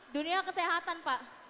dunia kesehatan pak